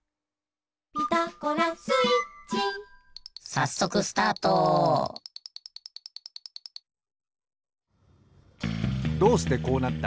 さっそくどうしてこうなった？